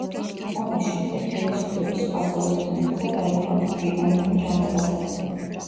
ომის შემდეგ ხელისუფლების სხვა წევრებთან ერთად აიყვანეს ბრიტანელმა ჯარისკაცებმა.